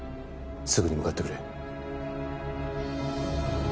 すぐに向かってくれ。